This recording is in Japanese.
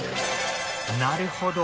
なるほど。